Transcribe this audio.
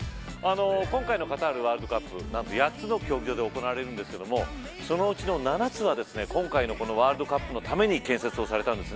今回のカタールワールドカップ何と８つの競技場で行われますがそのうちの７つは今回のワールドカップのために建設されました。